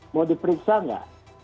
mau diperiksa nggak